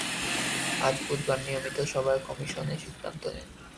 আজ বুধবার নিয়মিত সভায় কমিশন এ সিদ্ধান্ত নেয়।